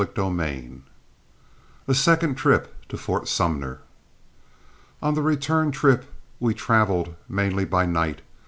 CHAPTER III A SECOND TRIP TO FORT SUMNER On the return trip we traveled mainly by night.